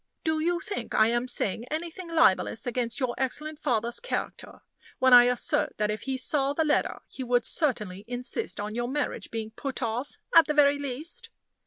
Do you think I am saying anything libelous against your excellent father's character when I assert that if he saw the letter he would certainly insist on your marriage being put off, at the very least?"